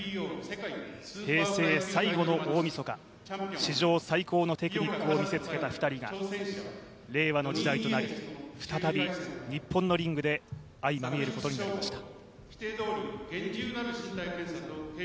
平成最後の大みそか史上最高のテクニックを見せつけた２人が令和の時代になり、再び日本のリングで相まみえることになりました。